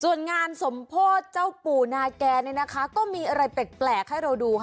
ส่วมงานสมโพธเหล้าปู่เนาแก่มีอะไรปล่ากให้ดู